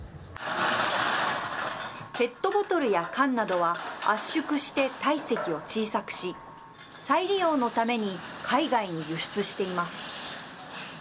ペットボトルや缶などは、圧縮して体積を小さくし、再利用のために海外に輸出しています。